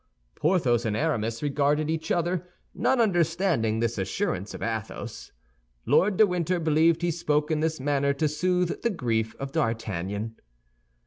Porthos and Aramis regarded each other, not understanding this assurance of Athos. Lord de Winter believed he spoke in this manner to soothe the grief of D'Artagnan.